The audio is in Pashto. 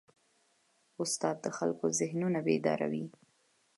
استاد د خلکو ذهنونه بیداروي.